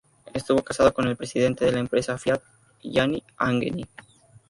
Estuvo casada con el presidente de la empresa Fiat, Gianni Agnelli.